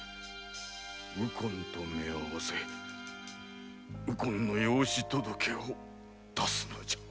右近とめあわせ右近の養子届を出すのじゃ。